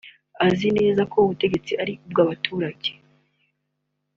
Azi neza ko ubutegetsi ari ubw’abaturage